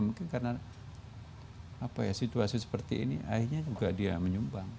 mungkin karena situasi seperti ini airnya juga dia menyumbang